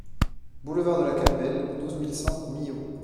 Boulevard de la Capelle, douze mille cent Millau